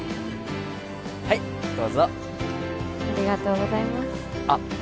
はいどうぞありがとうございますあっ